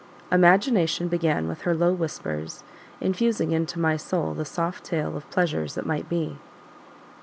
Imagination began with her low whispers, infusing into my soul the soft tale of pleasures that might be.